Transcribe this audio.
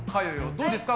どうですか？